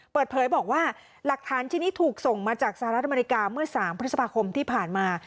เปิดเผยบอกว่าหลักฐานชิ้นนี้ถูกส่งมาจากสหรัฐอเมริกาเมื่อ๓พฤษภาคมที่ผ่านมา